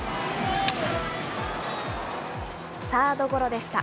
サードゴロでした。